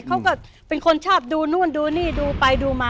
เขาก็เป็นคนชอบดูนู่นดูนี่ดูไปดูมา